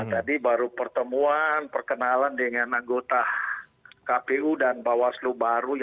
tadi baru pertemuan perkenalan dengan anggota kpu dan bawaslu baru